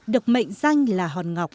độc mệnh danh là hòn ngọc